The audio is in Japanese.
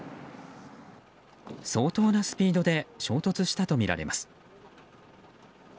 相当なスピードで衝突したとみられます。